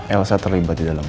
elsa terlibat di dalamnya